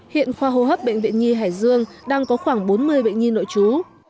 hiện khoa hô hấp bệnh viện nhi hải dương đang có khoảng bốn mươi bệnh nhi nội trú